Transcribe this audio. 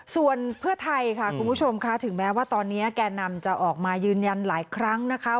ส่วนเพื่อไทยค่ะคุณผู้ชมค่ะถึงแม้ว่าตอนนี้แก่นำจะออกมายืนยันหลายครั้งนะคะ